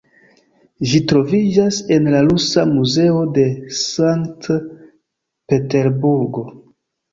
Ĝi troviĝas en la Rusa Muzeo de Sankt-Peterburgo.